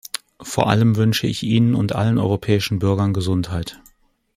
Vor allem wünsche ich Ihnen und allen europäischen Bürgern Gesundheit.